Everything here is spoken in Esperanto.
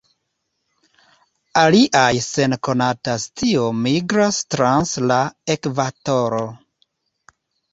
Aliaj sen konata scio migras trans la Ekvatoro.